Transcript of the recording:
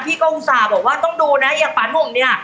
พี่ก็อุสาบบอกว่าต้องดูนะเอ๋ป๊านมุมเนี่ย